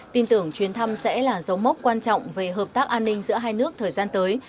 tin tưởng chuyến thăm sẽ là dấu mốc quan trọng về hợp tác an ninh giữa hai nước thời gian tới